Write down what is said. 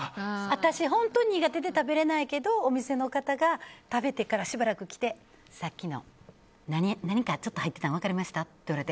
私、本当に苦手で食べられないけどお店の方が食べてからしばらくして来てさっきの何かちょっと入ってたん分かりました？って。